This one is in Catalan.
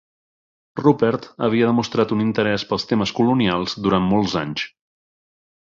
Rupert havia demostrat un interès pels temes colonials durant molts anys.